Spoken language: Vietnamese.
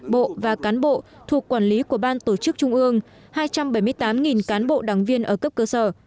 bộ và cán bộ thuộc quản lý của ban tổ chức trung ương hai trăm bảy mươi tám cán bộ đảng viên ở cấp cơ sở